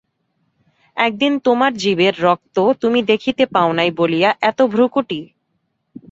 একদিন তোমার জীবের রক্ত তুমি দেখিতে পাও নাই বলিয়া এত ভ্রূকুটি?